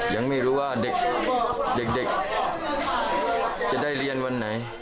ยังไม่รู้ว่าเด็กจะได้เรียนวันไหน